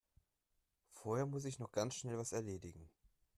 Vorher muss ich noch ganz schnell was erledigen.